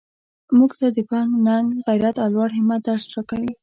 موږ ته د پند ننګ غیرت لوړ همت درس راکوي.